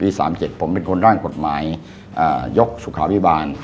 ๓๗ผมเป็นคนร่างกฎหมายยกสุขาพิบาล